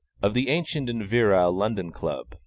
of the ancient and virile London Club.